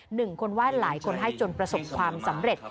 หนึ่งคนไห้หลายคนให้จนประสบความสำเร็จ